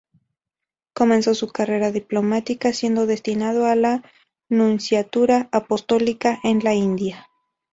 Comenzó su carrera diplomática siendo destinado a la Nunciatura Apostólica en la India.